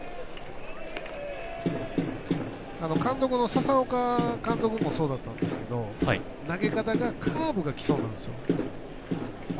佐々岡監督もそうだったんですけど投げ方がカーブがきそうなんです。